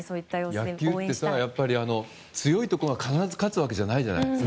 野球って強いところが必ず勝つわけじゃないじゃないですか。